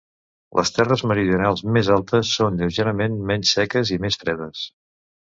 Les terres meridionals, més altes, són lleugerament menys seques i més fredes.